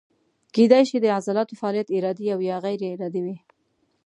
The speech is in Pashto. کیدای شي د عضلاتو فعالیت ارادي او یا غیر ارادي وي.